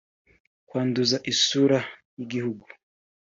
kwanduza isura y’igihugu